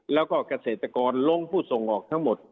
แล้วก็เกษตรกรลงผู้ส่งออกทั้งหมด